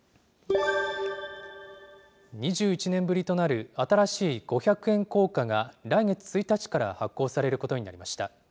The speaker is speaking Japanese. ２１年ぶりとなる、新しい五百円硬貨が、来月１日から発行されることになりました。